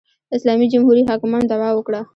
اسلامي جمهوري حاکمانو دعوا وکړه